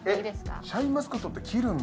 えっシャインマスカットって切るんだ。